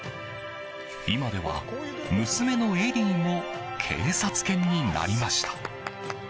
今では娘のエリーも警察犬になりました。